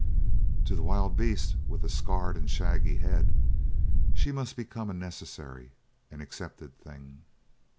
To the wild beast with the scarred and shaggy head she must become a necessary, an accepted thing.